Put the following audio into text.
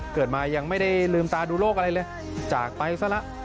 เกิดมายังไม่ได้ลืมตาดูโรคอะไรเลยจากไปซะละ